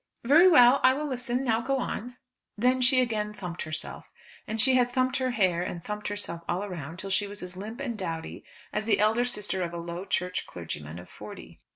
"Very well; I will listen. Now go on." Then she again thumped herself. And she had thumped her hair, and thumped herself all round till she was as limp and dowdy as the elder sister of a Low Church clergyman of forty.